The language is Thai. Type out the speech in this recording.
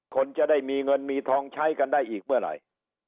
คนจะได้มีเงินมีทองใช้กันได้อีกเมื่อไหร่